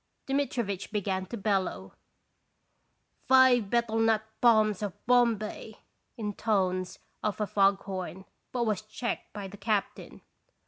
Dmitrivitch began to bellow :" Five betel nut palms of Bombay," intones of a fog horn, but was checked by the captain.